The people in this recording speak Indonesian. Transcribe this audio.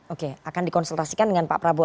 oke akan dikonsultasikan dengan pak prabowo